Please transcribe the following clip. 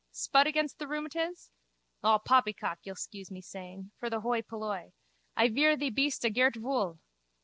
Spud again the rheumatiz? All poppycock, you'll scuse me saying. For the hoi polloi. I vear thee beest a gert vool.